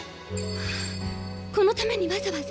このためにわざわざ？